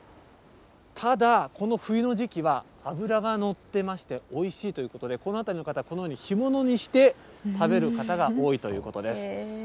ただ、この冬の時期は脂が乗ってまして、おいしいということで、この辺りの方は、このように干物にして食べる方が多いということです。